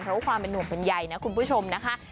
เพราะว่าความเป็นน่วงบันใยคุณผู้ชมนะครับ